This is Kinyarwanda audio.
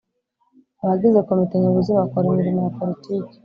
Abagize komite nyobozi bakora imirimo ya politiki